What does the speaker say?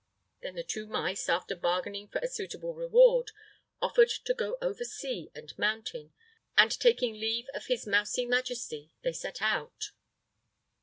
Then the two mice, after bargaining for a suitable reward, offered to go over sea and mountain, and taking leave of his mousy majesty, they set out.